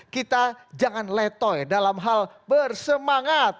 kita jangan letoy dalam hal bersemangat